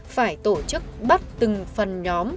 phải tổ chức bắt từng phần nhóm